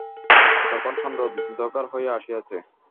তখন সন্ধ্যা অন্ধকার হইয়া আসিয়াছে।